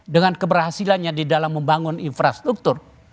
dengan keberhasilannya di dalam membangun infrastruktur